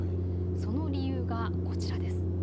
その理由がこちらです。